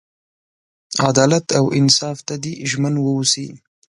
عدالت او انصاف ته دې ژمن ووسي.